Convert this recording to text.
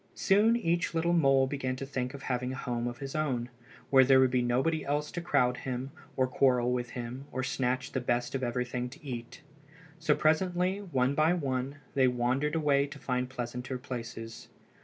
Soon each little mole began to think of having a home of his own, where there would be nobody else to crowd him, or quarrel with him, or snatch the best of everything to eat. So presently, one by one, they wandered away to find pleasanter places.